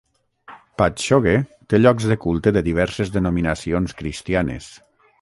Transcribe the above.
Patchogue té llocs de culte de diverses denominacions cristianes.